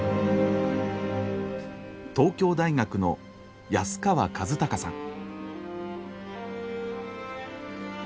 東京大学の安川和孝さん。